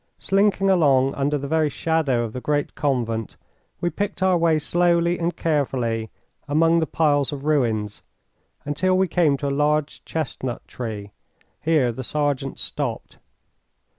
Slinking along under the very shadow of the great convent, we picked our way slowly and carefully among the piles of ruins until we came to a large chestnut tree. Here the sergeant stopped.